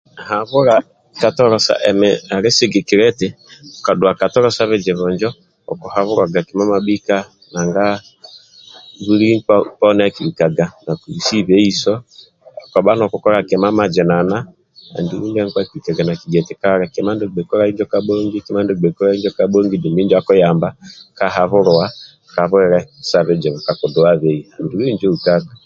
habhula katolo emi ali jiba eti kaduwa katolo sa bijibu njo akuhabulwaga kima amabhika nanga buli npka poni akubikaga na kubisibe iso kobha nokukolaga kima amzinana andulu ndia nkpa akigiaga ati kale kima ndio ogbei kolai injo kabhongi dumbi injo akuyamba kahabuluwa ka bwile sa bijibu kakuduwabei andulu injo ukwaka